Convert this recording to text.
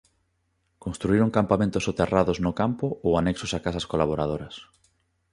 Construíron campamentos soterrados no campo ou anexos a casas colaboradoras.